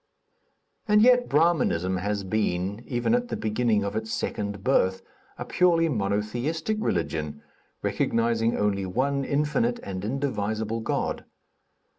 And yet, Brahminism has been, even at the beginning of its second birth, a purely monotheistic religion, recognizing only one infinite and indivisible God.